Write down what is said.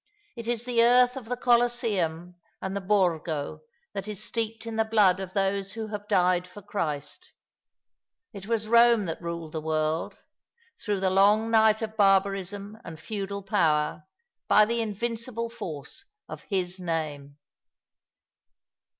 It is the earth of the Colosseum and the Borgo that is steeped in the blood of those who have died for Christ. It was Eome that ruled the world, through the long night of barbarism and feudal power, by the invincible force of His name.